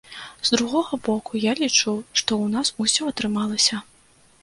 З другога боку, я лічу, што ў нас усё атрымалася.